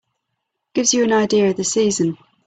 Gives you an idea of the season.